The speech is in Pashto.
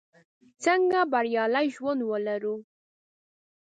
څنګه بریالی ژوند ولرو?